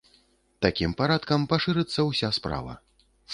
Такім парадкам пашырыцца ўся справа.